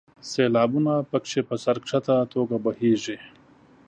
سیلابونه په کې په سر ښکته توګه بهیږي.